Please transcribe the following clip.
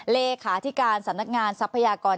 เลขาที่การสำนักงานทรัพยากร